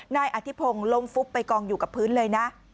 นายอธิพงศ์ล้มฟุบไปกองอยู่กับพื้นเลยนะ